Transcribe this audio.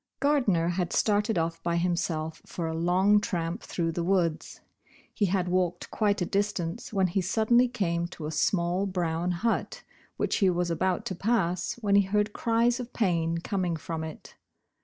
GARDNER had started off by himself for a long tramp through the woods. He had walked quite a distance when he suddenly came to a small, brown hut, which he was about to pass when he heard cries of pain coming from it.